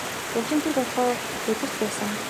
Учир нь тэр байнга улирч байсан.